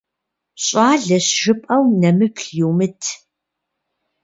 ЩӀалэщ жыпӀэу нэмыплъ йумыт.